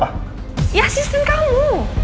dia tuh selalu ngasih kabar tentang kamu